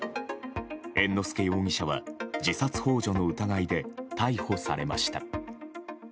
猿之助容疑者は自殺幇助の疑いで逮捕されました。